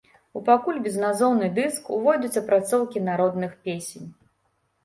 У пакуль безназоўны дыск увойдуць апрацоўкі народных песень.